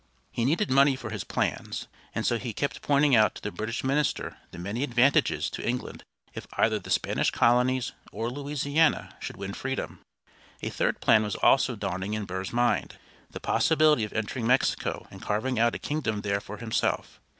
He needed money for his plans, and so he kept pointing out to the British minister the many advantages to England if either the Spanish colonies or Louisiana should win freedom. A third plan was also dawning in Burr's mind, the possibility of entering Mexico and carving out a kingdom there for himself.